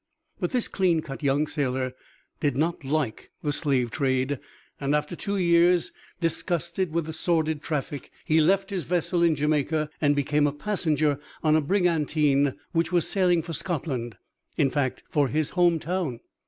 But this clean cut young sailor did not like the slave trade, and after two years, disgusted with the sordid traffic, he left his vessel in Jamaica and became a passenger on a brigantine that was sailing for Scotland, in fact, for his home town.